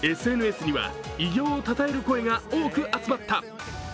ＳＮＳには偉業をたたえる声が多く集まった。